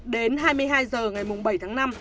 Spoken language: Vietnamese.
đến hai mươi hai h ngày bảy tháng năm